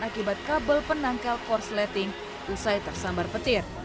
akibat kabel penangkal korsleting usai tersambar petir